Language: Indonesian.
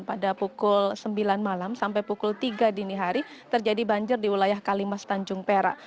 pada pukul sembilan malam sampai pukul tiga dini hari terjadi banjir di wilayah kalimas tanjung perak